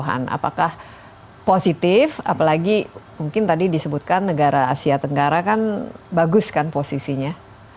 apakah positif apalagi mungkin tadi disebutkan negara asia tenggara kan bagus kan posisinya